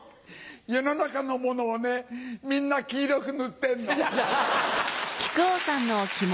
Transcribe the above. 世の中のものをねみんな黄色く塗ってんの。